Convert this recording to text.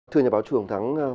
thưa nhà báo trưởng thắng